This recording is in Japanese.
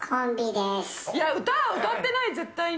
歌は歌ってない、絶対に。